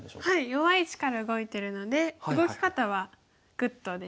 弱い石から動いてるので動き方はグッドです。